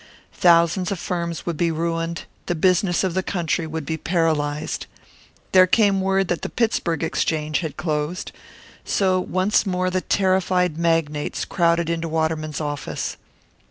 Thousands of firms would be ruined, the business of the country would be paralysed. There came word that the Pittsburg Exchange had closed. So once more the terrified magnates crowded into Waterman's office.